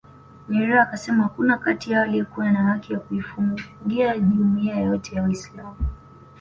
Nyerere akasema hakuna kati yao aliyekuwa na haki ya kuifungia jumuiya yoyote ya Waislam